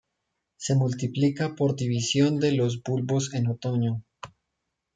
Se multiplica por división de los bulbos en otoño.